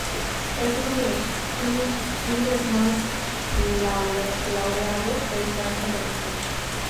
Es uno de los clubes más laureados de España y del mundo.